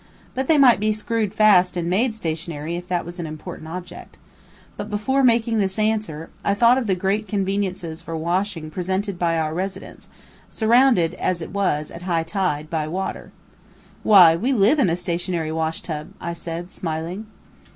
But they might be screwed fast and made stationary if that was an important object. But, before making this answer, I thought of the great conveniences for washing presented by our residence, surrounded as it was, at high tide, by water. "Why, we live in a stationary wash tub," I said, smiling.